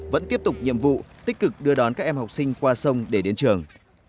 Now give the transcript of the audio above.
vẫn tiếp tục nhiệm vụ tích cực đưa đón các em học sinh qua sông để đến trường